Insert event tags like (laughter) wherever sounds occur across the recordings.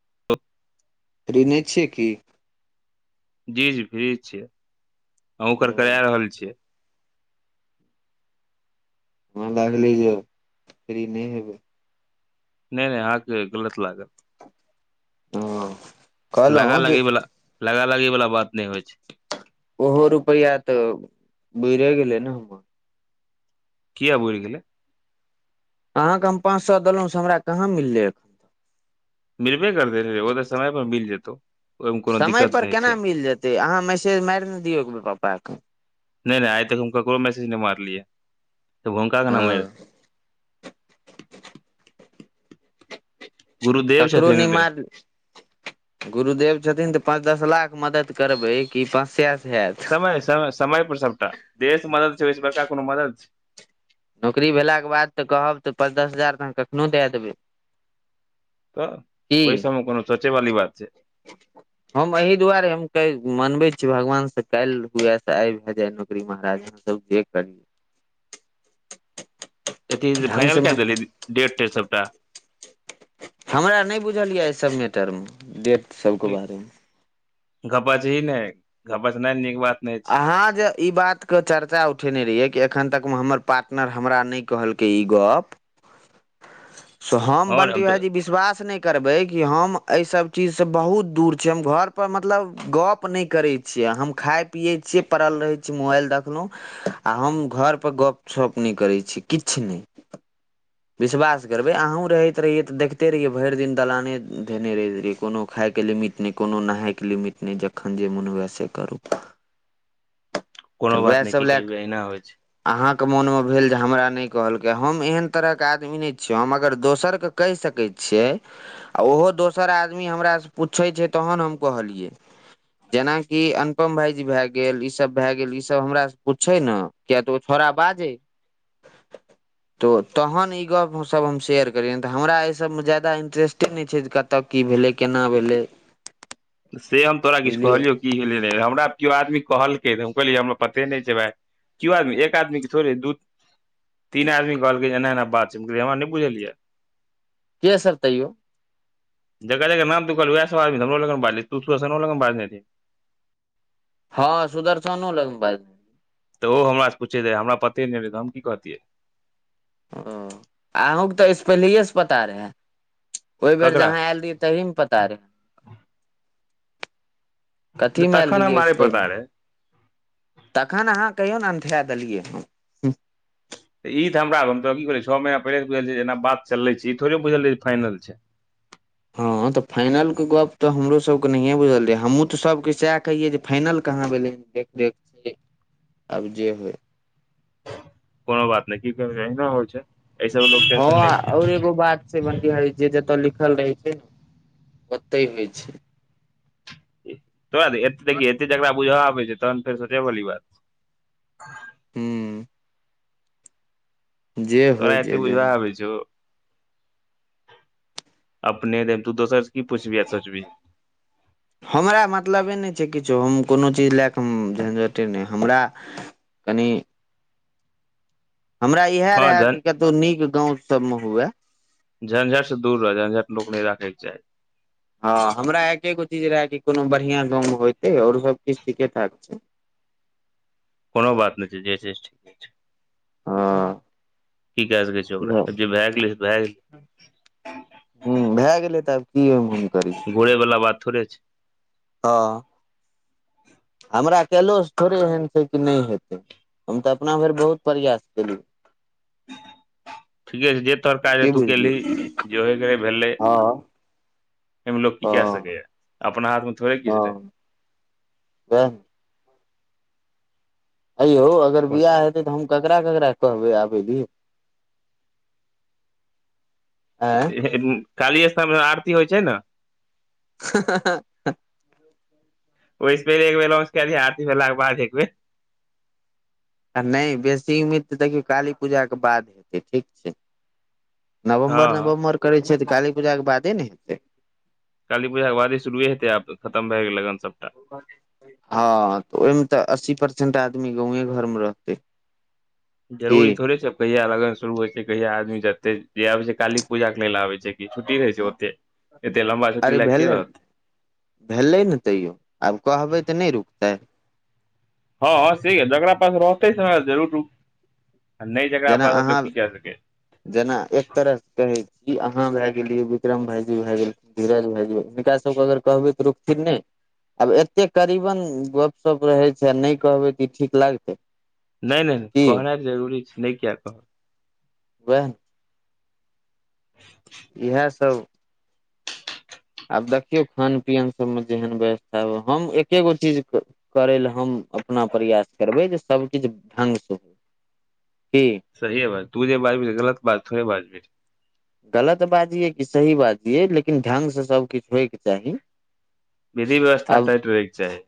(unintelligible) Free नहि छियै कि जी जी फ्री छिय आहू ओ कर करा रहल छियै वाँ लागले जे फ्री नहि हेबै नहि नहि अहाके गलत लागल हँ लगा कहलहुँ जे लगी बला लग लगी वला बात नहि होइ छै ओहो रुपैआ तऽ बुइरे गेले ने किया बुइर गेलै अहाँके हम पाँच सए देलहुँ से हमरा कहाँ मिललैक मिलबे करतय रे ओ तऽ समय पर मिल जेतौ ओहिमे कोनो समय दिक्कत पर नहि केना छै मिल जेतै अहाँ मैसेज मारि नऽ दियौ एक बेर पप्पाक नहि नहि आइ तक हम ककरो मैसज नहि मारलियै तऽ हुनका केना मारि हँ गुरुदेव ककरो नहि छथिन रे मारल गुरुदेव छथिन तऽ पाँच दस लाख मदद करबै कि पाँच सए सऽ हेत से समय समय पर सबटा देह सऽ मदद छै ओहिस बड़का कोनो मदद छै नौकरी भेलाके बाद तऽ कहब तऽ पाँच दस हजार तऽ अहाँ कखनो दए देबै तऽ ओहि की सब मे कोनो सोचय वाली बात छै (unintelligible) हम एहि दुआरे हम मनबै छी भगवान से काल्हि हुए तऽ आइ भए जाय नौकरी महाराज तब जे करि अथी ढंग फाइनल से कए देली डेट तेट सबटा हमरा नहि बुझल यऽ एहि सब मैटरमे डेट सबके बारेमे घबच ही नहि घबच नहि नीक बात नहि अहाँ जे ई बातके चर्चा उठेने रहियए कि एखन तकमे हमर पार्टनर हमरा नहि कहलकै ई गऽप सो छै हम आओर बन्टी तऽ भायजी विश्वास नहि करबै कि हम एहि सब चीजसँ बहुत दूर छी हम घर पर मतलब गप नहि करै छी छियै हम खाइ पियै छियै पड़ल रहै छी मोबाइल देखलहुँ आ हम घर पर गपशप नहि करै छिये किछ नहि विश्वास करबै अहूँ रहैत रहियै तऽ देखिते रहियै भरि दिन दलाने धने रहैत रहियै कोनो खायके लए मिट् अपने कोनो नहाायके लिमिट नहि जखन जे मोन हुए से करू तऽ कोनो उएह बात नहि सभ की लए करबै एहिना कऽ होइ छै अहाँके मोनमे भेल जे हमरा नहि कहलकै हम एहन तरहक आदमी नहि छियौ हम अगर दोसरके कहि सकै छियै आ ओहो दोसर आदमी हमरासँ पूछैत छै तहन हम कहलियै जेनाकि अनुपम भाईजी भए गेल ई सब भए गेल ई सब हमरा पूछे नऽ किया तऽ ओ छौड़ा बाजे तऽ तहन ई गप्प हमसभ हम शेयर करियनि तऽ हमरा एहिसभमे ज्यादा इंटरेस्टे नहि छै जे कत कतऽ की भेलै केना भेलै से हम तोरा किछु बुझलियै कहलियौ की भेलै हमरा केओ आदमी कहलकै तऽ कहलियै हमरा पते नहि छै भााय कओ आदमी एक आदमी के थोड़े दू तीन आदमी कहलक जे एना बात छै हमरा नहि बुझलिये के सब तैयो जकर जकर नाम तू कहलह उहेय सब आदमी तऽ हमरो लग बाजले तू तऽ सुदर्शन लऽ बाजने रहै हँ सुदर्शन न लगन ब तऽ ओ हमासँ पूछे रह हमरा पते नहि रहै तऽ हम की कहतियै ओ अहूँके तऽ ए सऽ पलए से पता रहे है ओहि बेर जब ककरा आहाँ आयल रहिय तही मे पता रहै कथीमे आयल तखन रहियै हमरा ओहिसँ नहि पता पहिले रहै तखन अहाँ कहियौ ने अंढाय देलियै हम त ई त हमरा छ महिना पहिे बुझ जेना बात चले छै ई थोड़े बुझल फाइनल छै हँ तऽ फाइनलके गप्प तऽ हमरोसभके नहिए बुझल रहै हमहूँ तऽ सभके सएह कहियै जे फाइनल कहाँ भेलैन देख देख छी आब जे होइ कोनो बात नहि की कह अना होइ छै एहिऐस लोक हँ टेंशन नहि म छै आओर एगो बात छै बंटी भाइजी जे जतय लिखल रहे छै ने ओते होइ छै तोरा की देख एत जकरा बुझा आबै छै तहन फेर सचे बी बात हू जे तोरा होइ ऐते जे बुझय जेना आबे छो अपने त तू दोसर सऽ की पुछबी आ सोचबी हमरा मतलबे नहि छै किछो हम कोनो चीज लए कऽ हम झञझटे नहि हमरा कनी हमरा इएहे हँ रहे झन कि कतौ नीक गांव सब में हुए झ्झट से दूर रह झंझट लोक नहि राखैके चाही हँ हमरा एके गो चीज रहय कि कोनो बढ़िियां गाँव मे होते आओरो सबकीछु ठीके ठाक छै कोनो बात नहि छै जे छै ठीक छै हँ की कऽ सकै छि ओकरा जे भए गेलै भए गेलै हू भए गेलै तऽ आब की ओहिमे हम करिए घूरे वला बात थोड़े छै ह हमरा केलो से थोड़े एहन छै कि नहि हेतै हम तऽ अपना भरि बहुत प्रयास केलिए ठीके छै जे तोहर काज रहे तू कलही जे होे गेलै भेलै हँ एहिमे लोकोग की हँ क सकै ह अपना हाथ में थोड़े किछु छैय उहाय नऽ एयौ अगर बिियाह हेतै तऽ हम ककरा ककरा कहब आबे नऽ यो (unintelligible) काली स्थान मे आरती होय छैय नऽ हँ-हँ-हँ ओहि से पहिले एक बेर एनाउंस कय दैही आरती भेलाके बाद एक बेर आ नहि बेसी उम्मीद तऽ देखियौ काली पूजाके बाद हेतै ठीक छै हँ नवम्बर हँ नवम्बर करै छैय तऽ काली पूजाके बादे नऽ हेतै काली पूजाके बादे शुरुए हेतै आब तऽ खतम भए गेलै लगन सबटा हँ तऽ ओहिमे तऽ अस्सी परसेंट आदमी गाँवें घर मे रहतै की जरूरी थोड़े छैय कहिया लगन शुरू हेतइ कहिया आदमी जेतय जे आबै छैय काली पूजा के लेल आबै छैय कि छुट्टी रहै छैय ओते एते लम्बा छुट्टी अरे लए के भेलै रहतै भेलै ने तैयो आब कहबै तऽ नहि रुकतै हँँ हँ से किये जकरा पास रहतै समय तकरा जरूर आ नहि जकरा जेना पास रहतै अहाँ ओ की कए सकै जेना एक तरह से कहै ई अहाँ भऽ गेलियै इ बिक्रम भाईजी भऽ गेल धीरज भाईजी हिनका सभके अगर कहबय तऽ रुकथिन नहि आब एते करीबन गपशप रहै छैय आ नहि कहबै तऽ ई ठीक लागतै नहि नहि की कहनाय तऽ जरूरी छैय नहि किये कहबय वैह नऽ इहे सब आब देखियौ खान पियन सब मे जेहन व्यवस्था होय हम एके गो चीज कऽ करै लय हम अपना प्रयास करबै जे सब चीज ढंग से होय की सहीये बात तू जे बाजबिही गलत बात थोड़े बाजबही गलत बाजियै कि सही बाजियै लेकिन ढंग सऽ सभ किछु होयके चाही विधि व्यवस्था आब टाइट रहैके चाही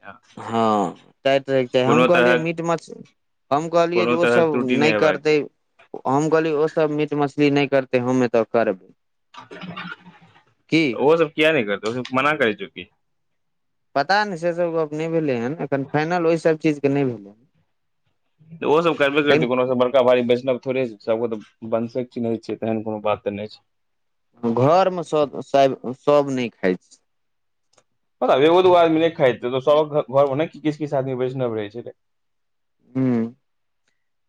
हँ टाइट रहैके चाही हम कोनो कहलियै तरहक मीट मछली हम कहलियै कोनो जे ओ तरहक सब त्रुटि नहि हेबाक करतै चाही हम कहलियै ओ सब मीट मछली नहि करतै हम एतऽ करबै की ओहो सब किये नहि करतै ओ सब मना करै छौ की पता नहि से सब गप नहि भेलै हें एखन फाइनल ओहिसभ चीजके नहि भेलै हें तऽ ओहो सब करबे करतै कोनो ओ सब बड़का भारी वैष्णव तोड़े सबके तऽ वंशे के चिन्है छियै तेहन कोनो बात ते नहि छैय घर मऽ सब शायद सब नहि खाय छैय आब एगो दूगो आदमी नहि खाइत हेतै तऽ सबहक घ घर मे नहि किछ किछ आदमी वैष्णव रहैय छैय हुँ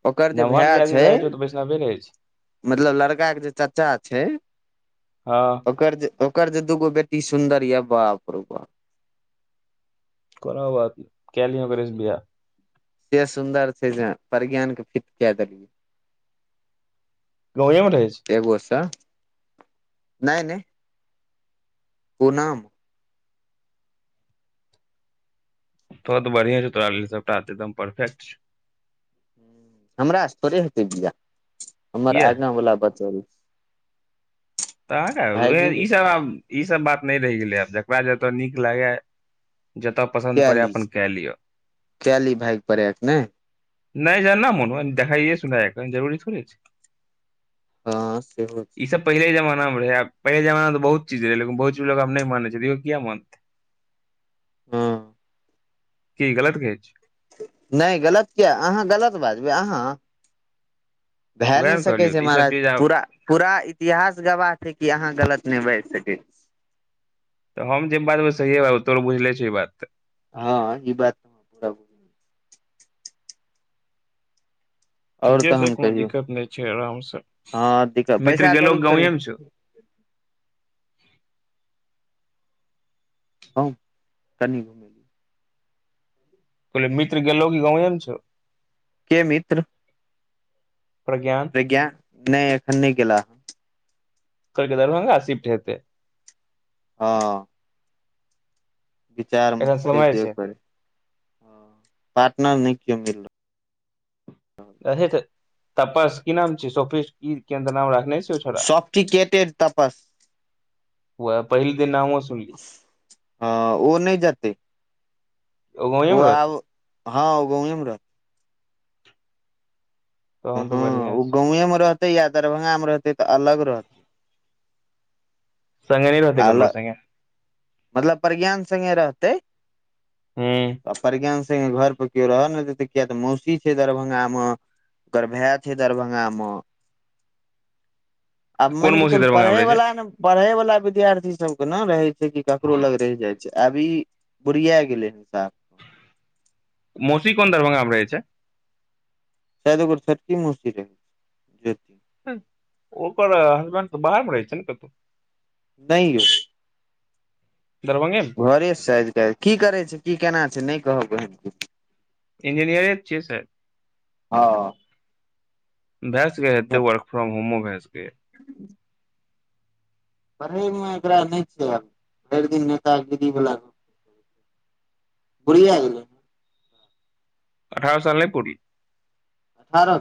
ओकर जे नमहर भााय आदमी भए जाइ छैय छौ तऽ वैष्णवे रहै छै मतलब लड़का के जे चाचा छैय हँ ओकर ओकर जे दूगो बेटी सुन्दर यऽ बाप रौ बाप कोनो बात नहि कय लिहें ओकरे सऽ वियाह ऐते सुन्दर छैय जे प्रज्ञान के फिट कय देलियै गाँवे मे रहै छैय एगो से नहि नहि पूना तोरो तऽ बढ़िये छौ तोरा लेल सबटा तऽ एकदम परफेक्ट हमरा सऽ थोड़े हेतै बियाह हमर किया आगाँ वला बचल तऽ हौ भायजी फेर ई सब आब ई सब बात नहि रहि गेलै आब जकरा जतय नीक लागय जतय पसंद पड़य कैली अपन कय लियऽ कैली भायग पड़ैक ने नहि जेना मन होइन देखाइये सुनाय एखन जरूरी थोड़े छैय हँ सेहो छैय ई सब पहले जमाना रहै पहिल जमाना मे तऽ बहुत चीज रहैय लेकिन बहुत चीज मे आब लोक नहि मानै छैय तऽ इहो किये मानतै हँ की गलत कहे छियै ने गलत किया अहाँ गलत बाजबै अहाँ भाए ने उएह सके कहलियौ छै तऽ ई सब महाराज चीज आब पूरा पूरा इ इतिहास गवाह छै कि अहाँ गलत ने बाज सकै तऽ हम जे बाजबै सहीए तोहर बुझले छैय ई बात हाँ ई बात पूरा आओर ठीके छै तहन कोनो कहियौ दिक्कत नय छै आराम से हँ दिक्कत मित्र पैसा गेलो कौड़ी कनि गांवें में छौ (unintelligible) कहतियो मित्र गेलो की गांवे में छौ के मित्र प्रज्ञान प्रग्यान ने एखन ने गेला कहलके दरभंगा सिफ्ट हेतै हाँ विचार में एखन छै समय जे करे पार्टनर ने केओ मिल रहल छै कहेत तपस की नाम छी शॉप की किदेन तऽ नाम रखने छै ओ छौड़ा शॉप की केटेत तपस वएह पहिल दिन नामो सुनली हाँ उ ने जते गाँवे ओ मे आब रहतै हाँ ओ गाँवेमे रहते तहन तऽ हाँ बढ़िया उ छै गाँवएमें रहतै या दरभंगामें रहतै तऽ अलग रहतै संग ने रहते अल ककरो संगे मतलब प्रज्ञान संगे रहते हूँ अफ प्रज्ञान संगें घर पर केओ रहऽ ने दे ते किया तऽ मौसी छै दरभंगा मऽ ओकर भैय छैय दरभंगा मऽ आब मान कोन केे मौसी चलू दरभंगा परेह मे रहै छै वाला नऽ परेह वाला विद्यार्थी सब केना रहे छै कि ककरो लग रेह जायत छै आब ई बुरिया गेलै हन साफ मौसी कोन दरभंगा में रहै छैय। साद ओकर छोटकी मौसी छै। हाँ ओकर हसबैंड तऽ बाहर में रहै छैय नऽ कतौ। नहि यौ दरभंगे में घरे साइज के की करै छै की केना छै ने कहब ओहांँ के इंजीनियर तऽ छियै शायद। हँ भाएसके हेते वर्क फ्रॉम होमो भाए सके या हूंँ हूँ हूं पढ़े मे एकरा ने छ भेरदिन नेता गिरी वला बढ़िया गले अठारह साल ने पुर आरह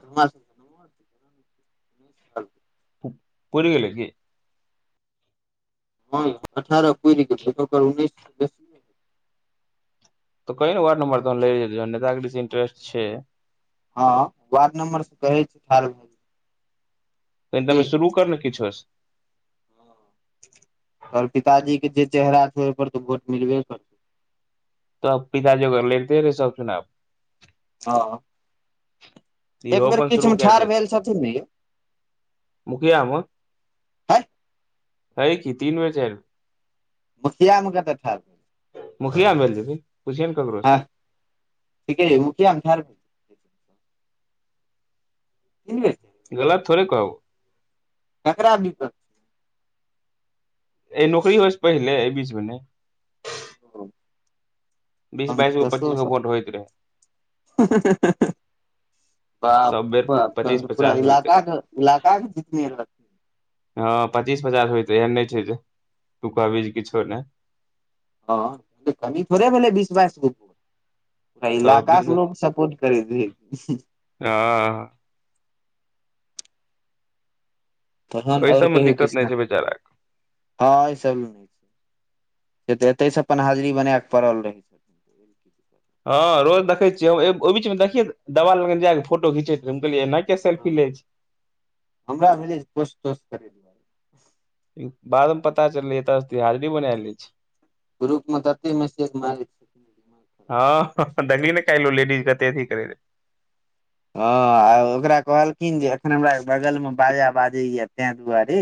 र्ज कर (inaudible) कल पुर गेलैकी हाँ यों अठारह पुर गेलै ओकर उन्नैस। सँ बेसी त कहेन वार्ड नंबर तानलै या जे नेतागिरी से इंटरेस्ट छै हाँ वार्ड नम्बर से कहे छै ठार भेलिये तेनटा मे शुरू कर ने किछौ से तौहर पिताजी के जे चेहरा छै ओहि पर तऽ वोट मिलबे करतै तब पिताजी (unintelligible) ओग लेै रैस सुनाब हँ एक इहो बेर अपन बीच शुरू मे कए ठाढ़ देत भेल छथिन ने मुखिया मे है हेय की तीन बेर चार बेर मुखिया मे कत्ते ठार मुखिया बेन छथिन पुछिया न ककरो से हँ ठीके ए मुखिया मे ह (unintelligible) गलत थोेड़े कहबो ककरा दिकत' ए नौकरी होइ छै पहिले एहि बीचमे नहि ह (unintelligible) बीस बइस गो पचीस गो भोट होइत रहै। ह (unintelligible) बाप सब रे बेर बाप पच्चीस पूरा पचास होयते इलाका इलाका के जितने हँ पचीस पचास होय त एहन नहि छै तु कहबीज किछो नहि हँ कमी थोड़े भेलै बीस बाइसगो ये तऽ इलाकाक बीस के लोकोग सपोर्ट करैत रह हँ तहन ओहि आओर सबमे कहियौ दिक्कत नहि कृष्ण छै बेचारा हँ ई सब ल ते एते से अपन हाजरी बना के पड़ल रहे छै हँ रोज देखै छियै ओहि बीच मे देखिय देवाल लग जाय क फोटो घिचैतियै सेेल्फी ले छै हमरा भेलै (unintelligible) कछ तो कर बाद मे पता चललै एतऽ हाजरी बनाले छै। ग्रुप मे ततेक मैसेज मार। ज हँ दी नहि खल लेडीजकेते कर रह हँ आ ओकरा कहलखिन जे एखन हमरा बगलमे बाजा बाजैया तेहि दुआरे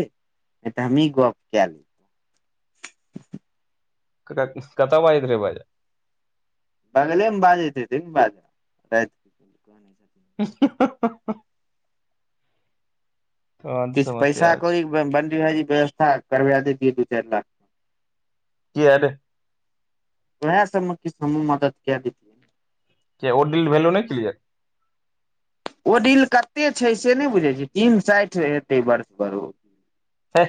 तऽ हमी गप कय ली कते बाजैत रहे बाजा बगलेमे बाजैत बाजति कहनाै सा (unintelligible) तहन तऽ किछु पैसा समस्या छै कोरी बनटी भाईजी व्यवस्था करबे दतिया दू चारि लाख किआ रे ओएह सबमे किछु हमू मदद के दतिये कि ओ डिल बैल्यू नय कि ओ डील कते छै से नय बुझै छैतीन साठि हतै बढ़ से बढ़ ऊ हें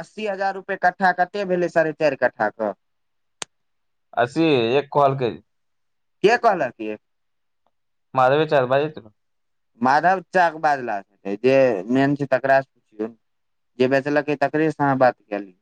अस्सी हजार रुपए कट्ठा कते भेलै साढ़े चारि कट्ठाे क असी एक कहल के के कहल ये (unintelligible) विचार बाजीत माधव चाक के बाजला से जे मेन छै तकास से पुछू जे बेचलके तकरे से अहाँ बात क ली